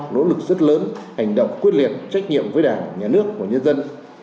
nỗ lực rất lớn hành động quyết liệt trách nhiệm với đảng nhà nước của nhân dân